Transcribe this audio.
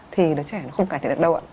thì đứa trẻ nó không cải thiện được đâu ạ